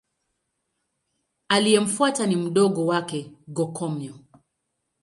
Aliyemfuata ni mdogo wake Go-Komyo.